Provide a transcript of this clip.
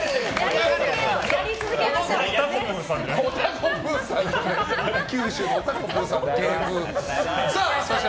やり続けましょ。